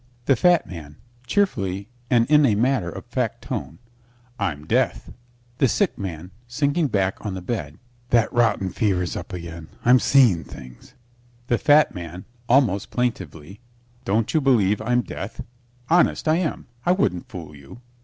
THE FAT MAN (cheerfully and in a matter of fact tone) I'm Death. THE SICK MAN (sinking back on the bed) That rotten fever's up again. I'm seeing things. THE FAT MAN (almost plaintively) Don't you believe I'm Death? Honest, I am. I wouldn't fool you.